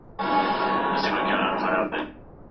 ماسختن دې څه خوړلي دي؟